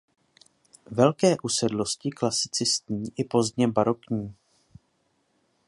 Velké usedlosti klasicistní i pozdně barokní.